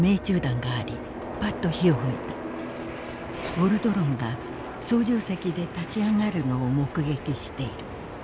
「ウォルドロンが操縦席で立ちあがるのを目撃している。